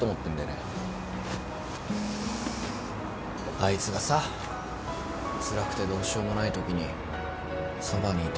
あいつがさつらくてどうしようもないときにそばにいてやりたいから。